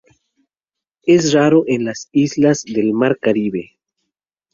Es raro en las islas del Mar Caribe.